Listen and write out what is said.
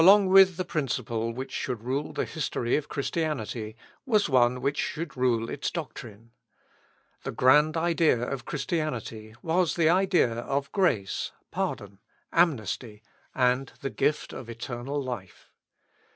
But, along with the principle which should rule the history of Christianity was one which should rule its doctrine. The grand idea of Christianity was the idea of grace, pardon, amnesty, and the gift of eternal life.